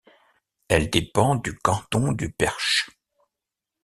Elle dépend du canton du Perche.